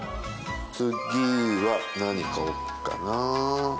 次は何買おうかな。